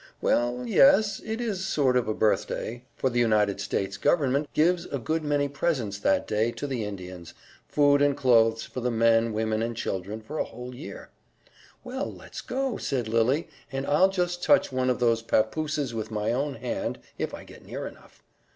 "Well, yes, it is sort of a birthday, for the United States Government gives a good many presents that day to the Indians food and clothes for the men, women and children for a whole year." "Well, let's go," said Lily, "and I'll just touch one of those papooses with my own hand if I get near enough.